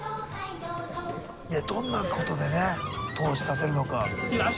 いやどんなことでね投資させるのか。